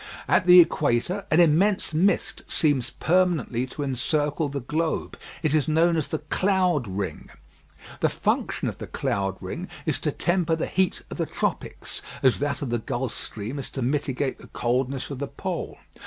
At the equator, an immense mist seems permanently to encircle the globe. It is known as the cloud ring. The function of the cloud ring is to temper the heat of the tropics, as that of the Gulf stream is to mitigate the coldness of the Pole.